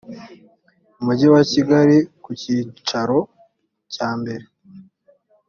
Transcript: umujyi wa kigali ku cyicaro cyambere